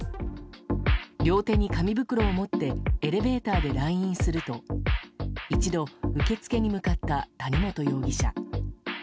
両手に紙袋を持ってエレベーターで来院すると一度、受付に向かった谷本容疑者。